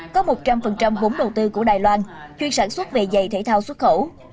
có một trăm linh vốn đầu tư của đài loan chuyên sản xuất về giày thể thao xuất khẩu